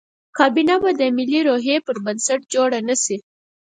کابینه به د ملي روحیې پر بنسټ جوړه نه شي.